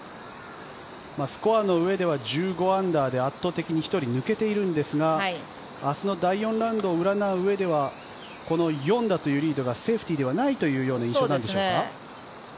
スコアのうえでは１５アンダーで圧倒的に１人抜けているんですが明日の第４ラウンドを占ううえではこの４打というリードがセーフティーではないというそうですね。